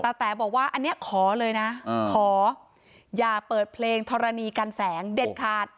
แต๋บอกว่าอันนี้ขอเลยนะขออย่าเปิดเพลงธรณีกันแสงเด็ดขาด